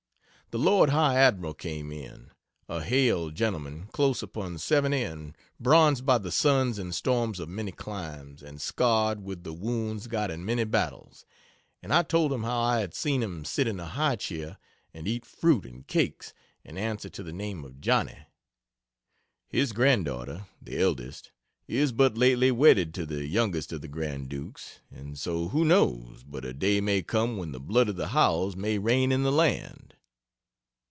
The Lord High Admiral came in, a hale gentleman close upon seventy and bronzed by the suns and storms of many climes and scarred with the wounds got in many battles, and I told him how I had seen him sit in a high chair and eat fruit and cakes and answer to the name of Johnny. His granddaughter (the eldest) is but lately warned to the youngest of the Grand Dukes, and so who knows but a day may come when the blood of the Howells's may reign in the land?